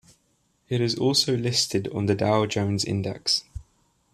It is also listed on the Dow Jones Index.